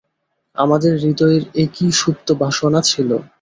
আমাদের হৃদয়ের একই সুপ্তবাসনা ছিল।